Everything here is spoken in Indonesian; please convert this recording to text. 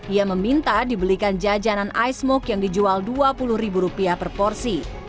ia meminta dibelikan jajanan ice moke yang dijual dua puluh ribu rupiah per porsi